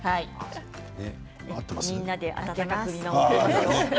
みんなで温かく見守って。